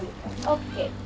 ＯＫ。